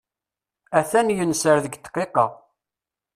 A-t-an yenser deg ddqiqa.